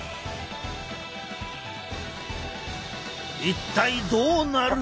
一体どうなる？